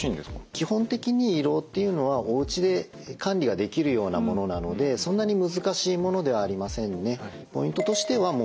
基本的に胃ろうっていうのはおうちで管理ができるようなものなのでそんなに難しいものではありませんね。